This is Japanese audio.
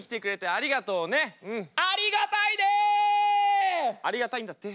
ありがたいんだって。